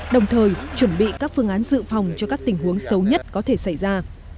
đồng thời chuẩn bị các phương án dự phòng cho các tình huống xấu nhất có thể xảy ra